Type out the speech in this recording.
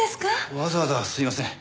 わざわざすいません。